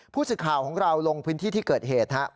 ผู้สื่อข่าวของเราลงพื้นที่ที่เกิดเหตุครับ